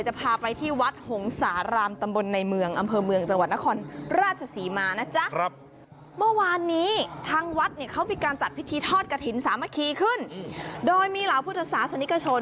จะพาไปที่วัดหงษารามตำบลในเมืองอำเผอร์เมืองจังหวัดนครประชษีมานะจ๊ะ